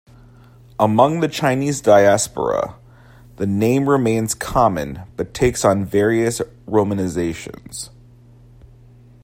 Among the Chinese diaspora, the name remains common but takes on various romanizations.